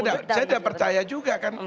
tidak saya tidak percaya juga kan